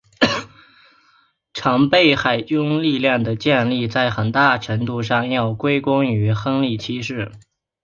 常备海军力量的建立在很大程度上要归功于亨利七世。